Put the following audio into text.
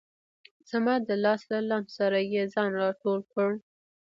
زما د لاس له لمس سره یې ځان را ټول کړ.